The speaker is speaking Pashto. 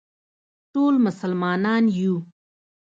ټول مسلمانان یو